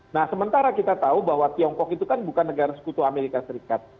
nah sementara kita tahu bahwa tiongkok itu kan bukan negara sekutu amerika serikat